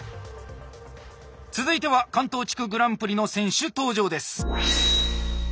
続いては関東地区グランプリの選手登場です。